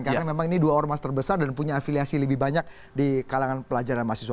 karena memang ini dua ormas terbesar dan punya afiliasi lebih banyak di kalangan pelajar dan mahasiswa